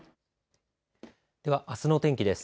では、あすの天気です。